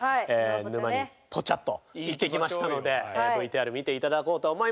沼にポチャッと行ってきましたのでＶＴＲ見て頂こうと思います！